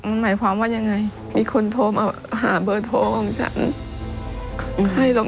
แต่เขาทราบมาตั้งแต่วันที่ขุดศพขึ้นมาเราระว่าลูกเค้าแน่นอน